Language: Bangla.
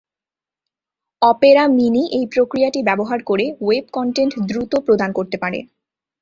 অপেরা মিনি এই প্রক্রিয়াটি ব্যবহার করে ওয়েব কন্টেন্ট দ্রুত প্রদান করতে পারে।